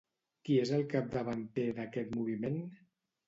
Qui és el capdavanter d'aquest moviment?